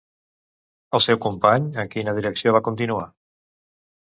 El seu company en quina direcció va continuar?